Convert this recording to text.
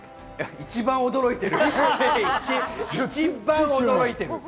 一番驚いてる！